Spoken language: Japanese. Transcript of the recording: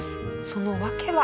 その訳は？